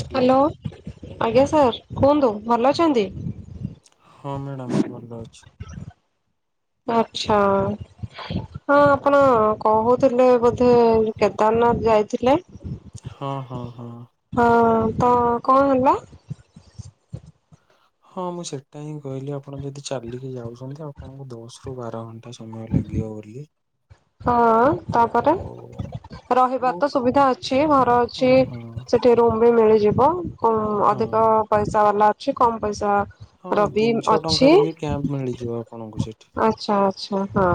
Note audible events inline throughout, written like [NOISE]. Hello ଆଜ୍ଞା sir କୁହନ୍ତୁ ଭଲ ଅଛନ୍ତି। ହଁ ମ୍ୟାଡାମ ଭଲ ଅଛୁ। ଆଛା ହଁ ଆପଣ କଁ କହୁଥିଲେ ବୋଧେ କେଦାରନାଥ ହଁ ଯାଇଥିଲେ। ହଁ ହଁ ହଁ। ହଁ ତ କଣ ହେଲା। ହଁ ମୁଁ ସେଟା ହିଁ କହିଲି ଆପଣ ଯଦି ଚାଲିକି ଯାଉଛନ୍ତି ଆପଣଙ୍କୁ ଦଶ ରୁ ବାର ଘଣ୍ଟା। ସମୟ ଲାଗିବ ବୋଲି। ହଁ ତାପରେ। ଆଉ ରହିବା ବହୁତ ତ ସୁବିଧା ଅଛି ଘର ହଁ ଅଛି ହଁ ସେଠି ରୁମ ବି ମିଳିଛି। ଯିବ ହଁ ଅଧିକ ପଇସା ବାଲା ଅଛି କମ ପଇସା ହଁ ରବି ତିନିଶହ ଅଛି ଟଙ୍କାରୁ ବି କ୍ୟାପ ମିଳିଯିବ ଆପଣଙ୍କୁ ସେଠି। ଆଚ୍ଛା ଆଚ୍ଛା ହଁ।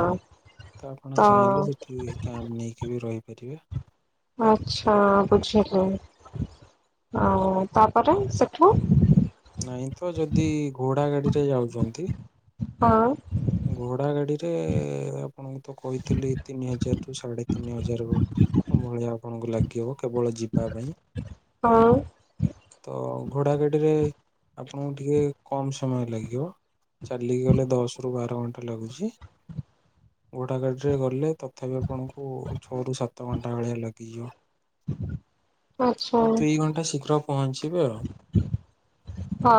ତ ଆପଣ ଚାହିଁଲେ ସେଠି କ୍ୟାମ୍ପ ନେଇକି ବି ରହିପାରିବେ। ଆଚ୍ଛା ବୁଝିଲି। ଆଉ ତାପରେ ସେଠୁ। ନାଇଁ ତ ଯଦି ଘୋଡା ଗାଡିରେ ଯାଉଚନ୍ତି ହଁ। ଘୋଡା ଗାଡିରେ ଆପଣଙ୍କୁ ତ କହିଥିଲି ତିନି ହଜାର ରୁ ସାଢେ ତିନି ହଜାର ହବ। ଭଳିଆ ଆପଣଙ୍କୁ ଲାଗିବି କେବଳ ଯିବା ପାଇଁ ହଁ ତ ଘୋଡ଼ା ଗାଡ଼ିରେ ଆପଣଙ୍କୁ ଟିକେ କମ୍ ସମୟ ଲାଗିବ ଚାଲିକି ଗଲେ ଦଶ ବାର ଘଣ୍ଟା ଲାଗୁଚି ଘୋଡ଼ା ଗାଡ଼ିରେ ଗଲେ ତଥାଵି ଆପଣଙ୍କୁ ଛଅ ରୁ ସାତ ଘଣ୍ଟା ଭଳିଆ ଲାଗିଯିବ। ଆଉ ଆଚ୍ଛା। ଦୁଇ ଘଣ୍ଟା ଶୀଘ୍ର ପହଞ୍ଚିବେ ଆଉ। ହଁ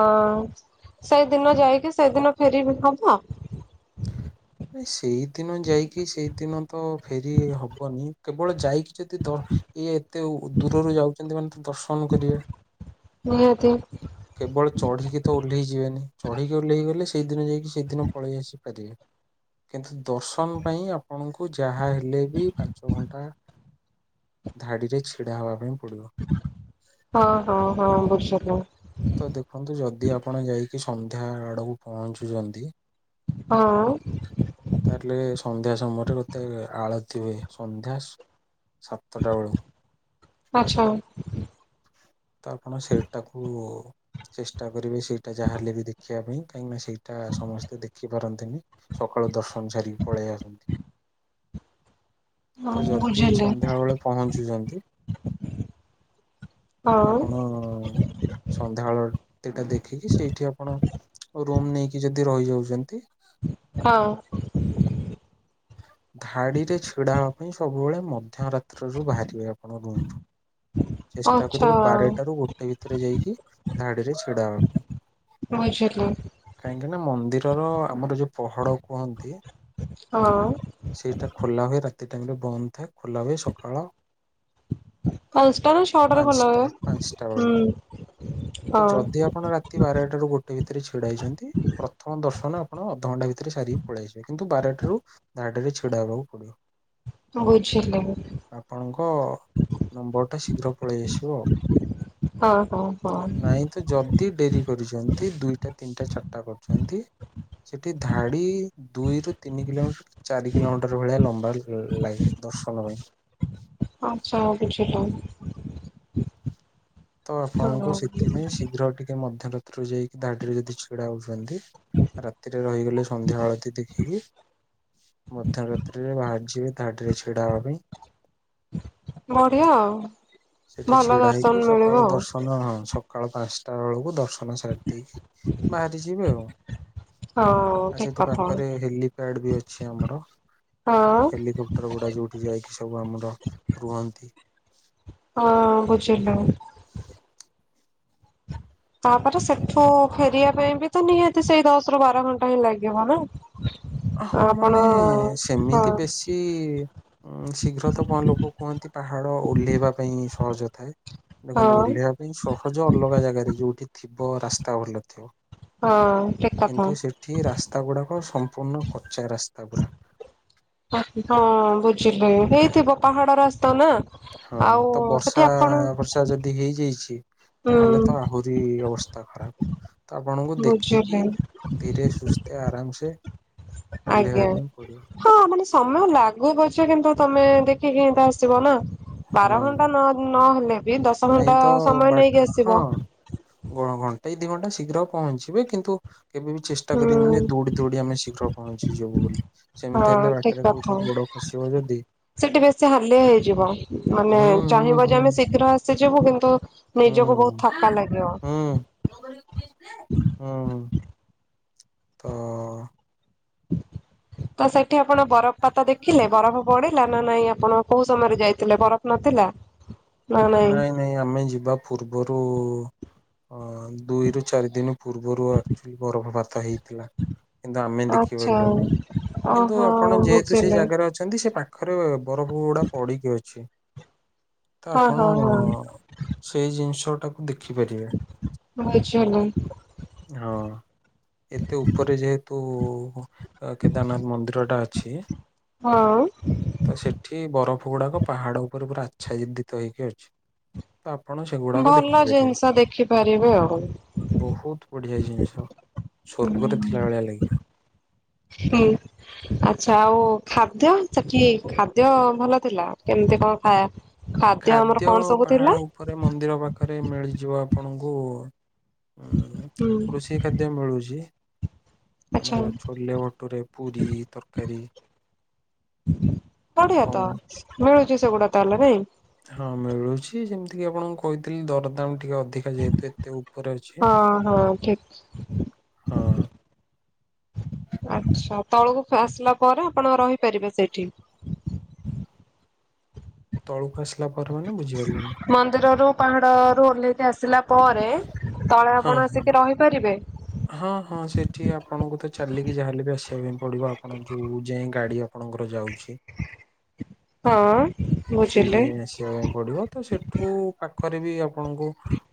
ସେଇଦିନ ଯାଇକି ସେଇଦିନ ଫେରିବି ହବ? ସେଇଦିନ ଯାଇକି ସେଇଦିନ ତ ଫେରି ହବନି କେବଳ ଯାଇକି ଯଦି ଦ ଇଏ ଏତେ ଦୂରରୁ ଯାଉଛନ୍ତି ମାନେ ତ ଦର୍ଶନ କରିବା। ନିହାତି। କେବଳ ଚଢି଼କି ତ ଓହ୍ଲେଇ ଯିବେନି ଚଢି଼କି ଓହ୍ଲେଇ ଗଲେ ସେଇଦିନ ଯାଇକି ସେଇଦିନ ପଳେଇ ଆସି ପାରିବେ କିନ୍ତୁ ଦର୍ଶନ ପାଇଁ ଆପଣଙ୍କୁ ଯାହା ହେଲେ ବି ପାଞ୍ଚ ଘଣ୍ଟା ଧାଡିରେ ଛିଡା ହବା ପାଇଁପ ହଁ ହଁ ହଁ ବୁଝିଲି। ତ ଦେଖନ୍ତୁ ଯଦି ଆପଣ ଯାଇକି ସନ୍ଧ୍ୟା ଆଡକୁ ପହଞ୍ଚୁଚନ୍ତି ହଁ ତାହଲେ ସନ୍ଧ୍ୟା ସୁ ତମର ବୋତେ ଆଳତିହୁଏ ସନ୍ଧ୍ୟା ସ ସାତଟା ବଳୁ। ଆଚ୍ଛା। ତ ଆପଣ ସେଟାକୁ ଚେଷ୍ଟା କରିବେ ସେଇଟା ଯାହାଲେ ବି ଦେଖିବା ପାଇଁ। କାହିଁକି ନା ସେଇଟା ସମସ୍ତେ ଦେଖି ପାରନ୍ତିନି ସକାଳୁ ଦର୍ଶନ ସାରିକି ପଳେଇ ଆସନ୍ତି। ହଁ ତ ଯଦି ବୁଝିଲି ସନ୍ଧ୍ୟାବଳେ ପହଞ୍ଚୁଚନ୍ତି ହଁ ଆପଣ। ଆଳତି ଟା ଦେଖିକି ସେଇଠି ଆପଣ ରୁମ୍ ନେଇକି ଯଦି ରହିଯାଉଚନ୍ତି। ହଁ। ଧାଡିରେ ଛିଡା ହବା ପାଇଁ ସବୁବଳେ ମ ମଧ୍ୟ ରାତ୍ରରୁ ବାହାରିବେ ଆପଣ ରୁମ୍ ରୁ। ଚେଷ୍ଟା ଆଚ୍ଛା। କରିବେ ବାରଟା ରୁ ଗୋଟେ ଭିତରେ ଯାଇକି ଧାଡିରେ ଛିଡା ହେବା ପାଇଁ। ମୁଁ ଇସ୍ କାହିଁକି ନା ମନ୍ଦିରର ଆମର ଯୋଉ ପହଡ଼ କୁହନ୍ତି। ହଁ ସେଇଟା ଖୋଲା ହୁଏ ରାତି ଟାଇମ୍ ରେ ବନ୍ଦ ଥାଏ ଖୋଲା ହୁଏ ସକାଳ ପାଞ୍ଚ ଟା ନା ଛଅଟା ରେ ଖୋଲା ହୁଏ ହୁଁ। ହଁ ଯଦି ଆପଣ ରାତି ବାରଟାରୁ ଗୋଟେ ଭିତରେ ଛିଡା ହେଇଛନ୍ତି ପ୍ରଥମ ଦର୍ଶନ ଆପଣ ଅଧଘଣ୍ଟା ଭିତରେ ସାରିବେ। ପଳେଇ‌ ଆସିବେ କିନ୍ତୁ ବାରଟାରୁ ଧାଡ଼ି ରେ ଛିଡା ହେବାକୁ ପଡ଼ିବ। ବୁଝିିଲି। ଆପଣଙ୍କ ନମ୍ବର ଟା ଶୀଘ୍ର ପଳେଇ ଆସିବ ଆଉ। ହଁ ହଁ ହଁ। ନାଇଁ ତ ଯଦି ଡେରି କରିଚନ୍ତି ଦୁଇଟା ତିନିଟା ଚାରିଟା କରୁଚନ୍ତି ସେଠି ଧାଡି ଦୁଇରୁୁ ତିନି କିଲୋମିଟର ଚାରି କିଲୋମିଟର ଭଳିଆ ଲମ୍ବା ଲାଇନ୍ ଦର୍ଶନ ପାଇଁ। ଆଚ୍ଛା ବୁଝିଲି [INAUDIBLE] ତ ହଁ ଆପଣଙ୍କୁ ସେଥିପାଇଁ ଶୀଘ୍ର ଟିକେ ମଧ୍ୟରାତ୍ରୁ ଯାଇକି ଧାଡିରେ ଯଦି ଛିଡା ହଉଛନ୍ତି ରାତିରେ ରହିଗଲେ ସନ୍ଧ୍ୟା ଆଳତି ଦେଖିକି ମଧ୍ୟ ରାତ୍ରିରେ ବାହାରି ଯିବେ ଧାଡିରେ ଛିଡା ହେବା ପାଇଁ। ବଢିଆ ଆଉ। ସେଠି ଭଲ ଛିଡା ଦର୍ଶନ ହେଇକି ମିଳିବ ସକାଳୁ ଦର୍ଶନ ହଁ ସ ସକାଳ ପାଞ୍ଚଟା ବେଳକୁ ଦର୍ଶନ ସାରି ଦେଇକି ବାହାରି ଯିବେ ଆଉ। ଆଉ ହଁ ଆ ଠିକ ସେଥି କଥା। ପାଖରେ ହେଲିପ୍ୟାଡ଼ ବି ଅଛି ଆମର। ହଁ ହେଲିକପ୍ଟର ଗୁଡା ଯୋଉଠି ଯାଇକି ସବୁ ଆମର ରୁହନ୍ତି। ହଁ ବୁଝିଲୁ। ତାପରେ ସେଠୁ ଫେରିବା ପାଇଁ ବିତ ନିହାତି ସେଇ ଦଶ ରୁ ବାର ଘଣ୍ଟା ହିଁ ଲାଗିବ ନା। ହଁ ଆପଣ ମାନେ ହଁ ସେମିତି ବେଶୀ ଶୀଘ୍ର ତ କଣ ଲୋକ କୁହନ୍ତି। ପାହାଡ ଓହ୍ଲେଇବା ପାଇଁ ସହଜ। ଥାଏ ଦେଖନ୍ତୁ ହଁ ଓହ୍ଲେଇିବା ପାଇଁ ସହଜ ଅଲଗା ଜାଗାରେ ଯୋଉଠି ଥିବ ରାସ୍ତା ଭଲ ଥିବ। ହଁ ଠିକ କଥା। କିନ୍ତୁ ସେଠି ରାସ୍ତା ଗୁଡାକ ସମ୍ପୂର୍ଣ୍ଣ। କଚା ରାସ୍ତା ପୁରା ହଁ ବୁଝିଲି ହେଇଥିବ ପାହାଡ ରାସ୍ତା ନା ହଁ ଆଉ ତ ସେଠି ବର୍ଷା ଆପଣ ବର୍ଷା ଯଦି ହେଇଯାଇଛି। ହୁଁ ତାହେଲେ ତ ଆହୁରି ଅବସ୍ଥା ଖରାପ୍। ତ ଆପଣଙ୍କୁ ଦେଖିକି ବୁଝିଲି ଧୀରେ ସୁସ୍ଥେ ଆରାମ ସେ। ଓହ୍ଲେଇବା ଆଜ୍ଞା ପାଇଁ ପଡିବ ହଁ। ସମୟ ଲାଗୁ ପଛେ କିନ୍ତୁ ତମେ ଦେଖିକି ଏତ ଆସିବ ନା ବାର ହଁ। ଘଣ୍ଟା ନଅ ନହଲେ ନାଇଁ ତ ବାଟ ହଁ। ଏଇ ଦି ଘଣ୍ଟା ଶୀଘ୍ର ପହଞ୍ଚିବେ କିନ୍ତୁ। କେବେ ବି ଚେଷ୍ଟା ହୁଁ କରିବି ନି ଯେ ଦୌଡ଼ି ଦୌଡ଼ି ଆମେ ଶୀଘ୍ର ପହଞ୍ଚିଯିବୁ ବୋଲି ସେମିତି ହଁ ହେଲେ ଠିକ ବାଟରେ କୋଉଠି କଥା। ବଡ଼ ଆସିବ ଯଦି ସେଠି ବେଶୀ ହାଲିଆ ହେଇଯିବ ମାନେ ହୁଁ ହୁଁ ଚାହିଁବ ଯେ ହୁଁ ଆମେ ଶୀଘ୍ର ଆସିଯିବୁ କିନ୍ତୁ ନିଜକୁ ବହୁତ୍ ହୁଁ ଥକା ଲାଗିବ। ହୁଁ ହୁଁ ତ ତ ସେଠି ଆପଣ ବରଫପାତ ଦେଖିଲେ ବରଫ ପଡିଲା। ନାଇଁ ଆପଣ କୋଉ ସମୟରେ ଯାଇଥିଲେ ବରଫ ନଥିଲା? ନାଇଁ ନାଇଁ ଆମେ ଯିବା ପୂର୍ବରୁ ହଁ ଦୁଇରୁ ଚାରି ଦିନ ପୂର୍ବରୁ ଆକଚ୍ୟୁଲି ବରଫପତା ହେଇଥିଲା। କିନ୍ତୁ ଆମେ ଆଚ୍ଛା ଦେଖିପାରିଲୁନି କିନ୍ତୁ ଓହୋ ଆପଣ ଯେହେତୁ ସେଇ ବୁଝିଲି ଜାଗାରେ ଅଛନ୍ତି ସେ ପା ପାଖରେ ବରଫ ଗୁଡ଼ା ପଡ଼ିକି ଅଛି। ହଁ ଆପଣ ହଁ ହଁ ସେଇ ଜିନିଷ ଟାକୁ ଦେ ଦେଖିପାରିବେ ବୁଝିଲି ହଁ। ଏତେ ଉପରେ ଯେହେତୁ କେଦାରନାଥ ମନ୍ଦିର ଟା ଅଛି ହଁ ତ ସେଠି ବରଫ [UNINTELLIGIBLE] ପାହାଡ଼ ଉପରେ ପୁରା ଆଚ୍ଛା ଦିଦିତ ହେଇକି ଅଛି। ତ ଆପଣ ସେଗୁଡାକ ଭଲ ଦେଖିପାରିବେ ଜିନିଷ ଦେଖିପାରିବେ ଆଉ। ବହୁତ ବଢିଆ ଜିନିଷ। ସ୍ୱର୍ଗରେ ଥିଲା ଭଳିଆ ଲାଗିବ। ହୁଁ ଆଚ୍ଛା ଆଉ ଖାଦ୍ୟ ସେଠି ଖାଦ୍ୟ ଭଲ ଥିଲା କେମିତି? କଣ [UNINTELLIGIBLE] ଆମର ଖାଦ୍ୟ କଣ ସବୁ ଥିଲା? ପାହାଡ ଉପରେ ମନ୍ଦିର ପାଖରେ ମିଳିଯିବ ଆପଣଙ୍କୁ ହୁଁ ହୁଁ କୃଷି ଖାଦ୍ୟ ମିଳୁଛି। ଆଚ୍ଛା ଆମର ଛୋଲେ ଭଟୋରେ ପୁରୀ ତରକାରୀ ବଢିଆ ତ ଉପମା ମିଳୁଛି ସେଗୁଡା ତାହେଲେ ନାଇଁ। ହଁ ମିଳୁଛି ଯେମିତି କିି ଆପଣଙ୍କୁ କହିଥିଲି ଦରଦାମ୍ ଟିକେ ଅଧିକା ଯେହେତୁ ଏତେ ଉପରେ ଅଛି। ହଁ ହଁ ଠିକ୍ ହଁ ଆଚ୍ଛା ତଳକୁ ଆସିଲା ପରେ ଆପଣ ରହିପାରିବେ ସେଇଠି। ତଳକୁ ଆସିଲା ପରେ ମାନେ ବୁଝିପାରିଲେନି ମନ୍ଦିରରୁ ପାହାଡ଼ ରୁ ଓହ୍ଲେଇକି ଆସିଲା ପରେ ତଳେ ହଁ ଆପଣ ହଁ। ଆସିକି ରହିପାରିବେ। ହଁ ହଁ ସେଠି ଆପଣଙ୍କୁ ତ ଚାଲିକି ଯାହାଲେ ବି ଆସିବାକୁ ପଡିବ ଆପଣ ଯୋଉ ଯାଏଁ ଗାଡି ଆପଣ ଆପଣଙ୍କର ଯାଉଛି। ହଁ ସେଇ ବୁଝିଲେ ଯାଏଁ ଆସିବାକୁ ପଡିବ ତ ସେଠୁ ପା ପାଖରେ ବି ଆପଣଙ୍କୁ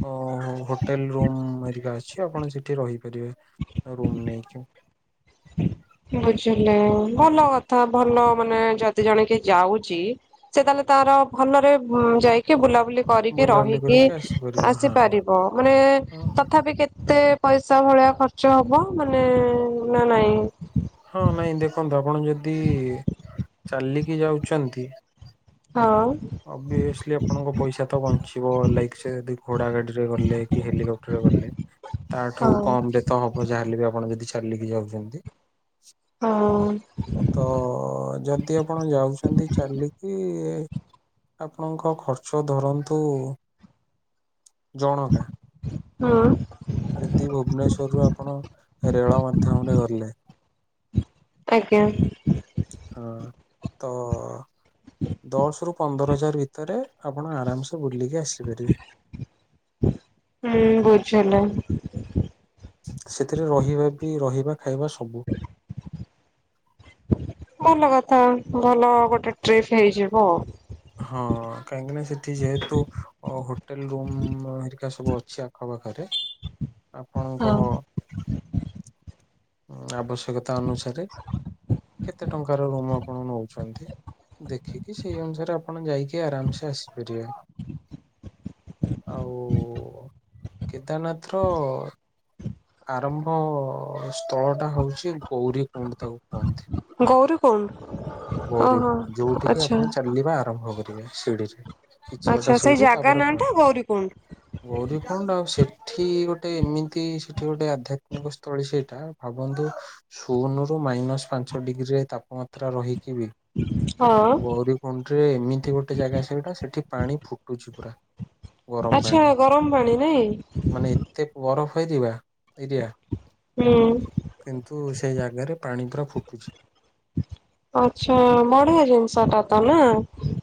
ଉଁ ହୋଟେଲ୍ ରୁମ୍ ହେରିକା ଅଛି ଆପଣ ସେଠି ରହିପାରିବେ। ରୁମ୍ ନେଇକି ବୁଝିଲି ଭଲ କଥା ଭଲ ମାନେ ଯଦି ଜଣେ କି ଯାଉଛି ସେ ତାହଲେ ତାର ଭଲରେ ଉଁ ଯାଇକି ବୁଲା ବୁଲି କରିକି ବୁଲାବୁଲି ରହିକି କରିକି ଆସିପାରିବ ହଁ ଆସିପାରିବ ମାନେ ହଁ ତଥାପି କେତେ ପଇସା ଭଳିଆ ଖର୍ଚ୍ଚ ହବ ମାନେ ନା ନାଇଁ? ହଁ ନାଇଁ ଦେଖନ୍ତୁ ଆପଣ ଯଦି ଚାଲିକି ଯାଉଛନ୍ତି ହଁ ଅଭିଅସଲି ଆପଣଙ୍କ ପଇସା ତ ବଞ୍ଚିବ ଲାଇକ ସେ ଯଦି ଘୋଡା ଗାଡିରେ ଗଲେ କି ହେଲିକପ୍ଟର ରେ ଗଲେ ତାଠୁ ହଉ। କମ ରେ ତ ହବ ଯାହାହେଲେ ବି ଆପଣ ଯଦି ଚାଲିକି ଯାଉଛନ୍ତି। ହଁ। ତ ଯଦି ଆପଣ ଯାଉଛନ୍ତି ଚାଲିକି ଆପଣଙ୍କ ଖର୍ଚ୍ଚ ଧରନ୍ତୁ ଜଣକା ହୁଁ। ଯଦି ଭୁବନେଶ୍ଵରରୁ ଆପଣ ରେଳ ମାଧ୍ୟମରେ ଗଲେ ଆଜ୍ଞା। ହଁ ତ ଦଶ ରୁ ପନ୍ଦର ଜାର ଭିତରେ ଆପଣ ଆରାମସ ବୁଲିକି ଆସିବେ ହୁଁ ବୁଝିଲି ସେଥିରେ ରହିବା ବି ରହିବା ଖାଇବା ସବୁ ଭଲ କଥା। ଭଲ ଗୋଟେ ଟ୍ରିପ୍ ହେଇଯିବ ଆଉ। ହଁ କାହିଁକି ନା ସେଠି ଯେହେତୁ ହୋଟେଲ ରୁମ୍ ହେରିକା ସବୁ ଅଛି ଆଖ ପାଖରେ ଆପଣଙ୍କ ହଁ। ଆବଶ୍ୟକତା ଅନୁସାରେ କେତେ ଟଙ୍କାର ରୁମ ଆପଣ ନଉଛନ୍ତି ଦେଖିକି ସେଇ ଅନୁସାରେ ଆପ ଆପଣ ଯାଇକି ଆରାମସେ ଆସିପାରିବେ ଆଉ କେଦାରନାଥ ର ଆରମ୍ଭ ସ୍ଥଳ ଟା ହଉଛି ଗୌରୀ କୁଣ୍ଡ ତାକୁ କୁହନ୍ତି ଗୌରୀକୁଣ୍ଡ ଗୌରୀ ଓହୋ କୁଣ୍ଡ ଯୋଉଠିକି ଆଚ୍ଛା। ଆପଣ ଚାଲିବା ଆର ଆରମ୍ଭ କରିବେ ସିଡିରେ କିଛି ବାଟ ଆଚ୍ଛା ସେଇ ସିଡି ଜାଗା ତାପରେ ନାଁ ବ ଟା ଗୌରୀକୁଣ୍ଡ ଗୌରୀ କୁଣ୍ଡ ଆଉ ସେ ସେଠି ଗୋଟେ ଏମିତି ସେଠି ଗୋଟେ ଆଧ୍ୟାତ୍ମିକ ସ୍ଥଳୀ ସେଇଟା ଭାବନ୍ତୁ ସୁନୁରୁ ମାଇନସ ପାଞ୍ଚ ଡିଗ୍ରୀରେ ତାପମାତ୍ରା ରହିକିିବି ହଁ ଗୌରୀ କୁଣ୍ଡ ଏମିତି ଗୋଟେ ଜାଗା ସେଇଟା ସେଠି ପାଣି ଫୁଟୁଛି ପୁରା। ଗରମ ଆଚ୍ଛା ପାଣି ଗରମ ପାଣି ନାଇଁ। ମାନେ ଏତେ ବରଫ ଫେରିବା ଏରିଆ ହୁଁ କିନ୍ତୁ ସେ ଜାଗାରେ ପାଣି ପୁରା ଫୁଟୁଚି। ଆଛା ବଢିଆ ଜିନିଷ ଟା ତ ନା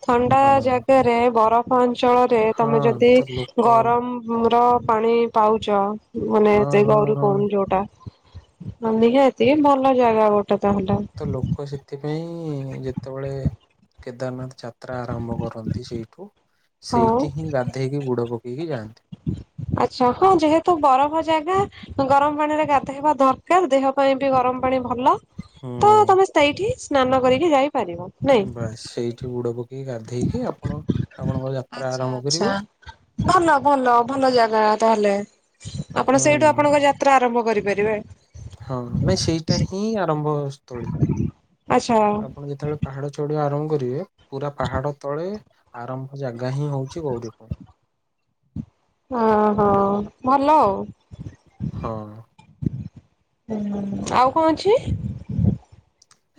ଥଣ୍ଡା ହଁ ଜାଗାରେ ବରଫ ଅଞ୍ଚଳରେ ହଁ ତମେ ଯଦି ତ ଲୋକ ଗରମ ର ପାଣି ପାଉଚ ମାନେ ହଁ ଏତେ ହଁ ଗୌର ହଁ କୁଣ୍ଡ ଯୋଉଟା ନିହାତି ଭଲ ଜାଗା ଗୋଟ ତ ଲୋକ ସେଥିପାଇଁ ଯେତେବେଳେ କେଦାରନାଥ ଯା ଯାତ୍ରା ଆରମ୍ଭ କରନ୍ତି ସେଇଠୁ ହଉ ସେଇଠି ହିଁ ଗାଧେଇକି ବୁଡ ପକେଇକି ଯାଆନ୍ତି। ଆଛା ହଁ ଯେହେତୁ ବରଫ ଜାଗା ଗରମ ପାଣି ରେ ଗାଧେଇବା ଦରକାର ଦେହ ପାଇଁ ବି ଗରମ ରମ ଭଲ ତ ହୁଁ ତମେ ସେଇଠି ସ୍ନାନ କରିକି ଯାଇ ବାସ୍ ସେଇଠି ବୁଡ ପକେଇକି ଗାଧେଇକି ଆପଣ ଆପଣଙ୍କ ଯାତ୍ରା ଆଚ୍ଛା ଆରମ୍ଭ କରିବେ। ଆଚ୍ଛା ଭଲ ଭଲ ଭଲ ଜାଗା ତାହେଲେ ଆପଣ ସେଇଠୁ ହୁଁ ଆପଣଙ୍କ ଯାତ୍ରା ଆରମ୍ଭ କରିପାରିବେ। ହଁ ମେ ସେଇଟା ହିଁ ଆରମ୍ଭ ସ୍ଥଳୀ। ଆଚ୍ଛା। ଆପଣ ଯେତେବେଳେ ପାହାଡ ଚଢିବା ଆରମ୍ଭ କରୁ ବେ ପୁରା ପାହାଡ ତଳେ ଆରମ୍ଭ ଜାଗା ହିଁ ହଉଛି ଗୌରୀ ଗୁଣ୍ଡ। ଓହୋ ଭଲ ଆଉ। ହଁ ହଁ ଆଉ କଣ ଅଛି?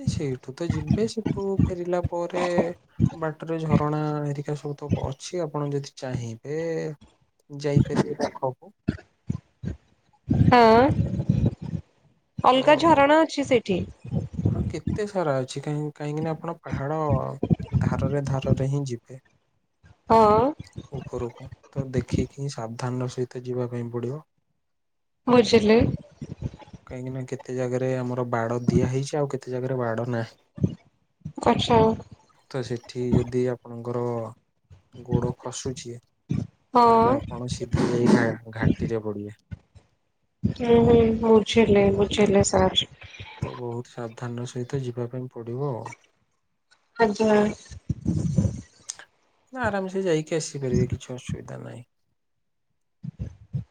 ସେଇଠୁ ତ ଯିବେ ସେଠୁ ଫେରିଲା ପରେ ବାଟରେ ଝରଣା ହେରିକା ସବୁତ ଅଛି ଆପଣ ଯଦି ଚାହିଁବେ ଯାଇପାରିବେ [UNINTELLIGIBLE] ଦେଖବୁ ହଁ। [UNINTELLIGIBLE] ଅଲଗା ଝରଣା ଅଛି ସେଇଠି ହଁ କେତେ ସାରା ଅଛି କାହିଁକି ନା ଆପଣ ପାହାଡ ଧାରରେ ଧାରରେ ହିଁ ଯିବେ ହଁ ଉପରକୁ ତ ଦେଖିକି ହିଁ [UNINTELLIGIBLE] ସାବ ସ୍ଥାନ ସହିତ ଯିବା ପାଇଁ ପଡିବ ବୁଝିଲି। କାହିଁକି ନା କେତେ ଜାଗାରେ ଆମର ବାଡ଼ ଦିଆ ହେଇଛି ଆଉ କେତେ ଜାଗାରେ ବାଡ଼ [UNINTELLIGIBLE] ଆଚ୍ଛା ତ ସେଠି ଯଦି ଆପଣଙ୍କର ଗୋଡ଼ ଖସୁଚି ତାହେଲେ ହଁ। ଆପଣ ସିଧା [UNINTELLIGIBLE] ଯାଇ ଘାଟିରେ ପଡିବେ ହୁଁ ହୁଁ ବୁଝିଲି ବୁଝିଲି ସାର୍ ଧ୍ୟାନ ସହିତ ଯିବା ପାଇଁ ପଡିବ ଆଉ ଆଜ୍ଞା। ଆରାମସେ ଯାଇକି ଆସିପାରିବେ କିଛି ଅସୁବିଧା ନାହିଁ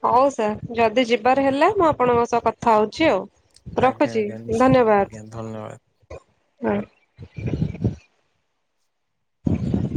ହଉ ସାର୍ ଯଦି ଯିବାର ହେଲା ମୁଁ ଆପଣଙ୍କ ସହ କଥା ହଉଛି ଆଉ ଆଜ୍ଞା ରଖୁଛି ଆଜ୍ଞା ନିଶ୍ଚୟ ଆଜ୍ଞା ଧନ୍ୟବାଦ ହଁ ହ [INAUDIBLE]